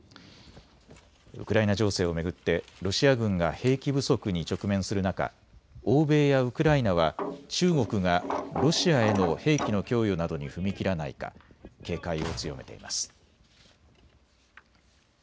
ウクライナ情勢を巡ってロシア軍が兵器不足に直面する中、欧米やウクライナは中国がロシアへの兵器の供与などに踏み切らないか警戒を強めています。